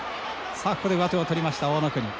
さあ、ここで上手を取りました大ノ国。